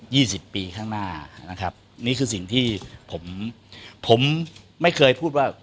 สิบปีข้างหน้านะครับนี่คือสิ่งที่ผมผมไม่เคยพูดว่า